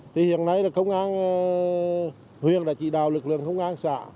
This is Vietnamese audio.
thì hiện nay là công an huyện đã chỉ đạo lực lượng công an xã